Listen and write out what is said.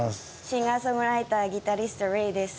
シンガー・ソングライターギタリストＲｅｉです。